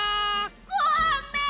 ごめん！